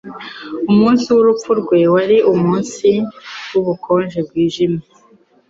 Umunsi w'urupfu rwe wari umunsi wubukonje bwijimye.